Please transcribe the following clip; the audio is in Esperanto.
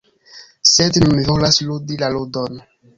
Sed nun mi volas ludi la ludon.